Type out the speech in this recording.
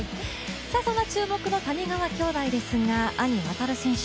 そんな注目の谷川兄弟ですが、兄・航選手